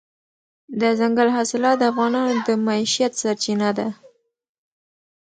دځنګل حاصلات د افغانانو د معیشت سرچینه ده.